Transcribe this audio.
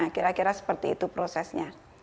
kira kira seperti itu prosesnya